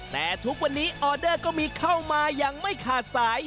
แต่ทุกวันนี้ออเดอร์ก็มีเข้ามาอย่างไม่ขาดสาย